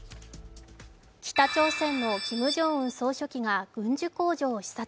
北朝鮮のキム・ジョンウン総書記が軍需工場を視察。